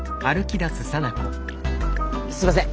すいません。